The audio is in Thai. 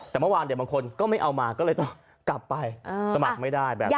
แต่เมื่อวานบางคนก็ไม่เอามาก็เลยต้องกลับไปสมัครไม่ได้แบบนี้